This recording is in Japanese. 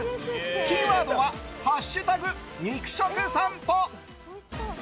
キーワードは「＃肉食さんぽ」。